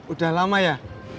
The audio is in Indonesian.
udah lama ya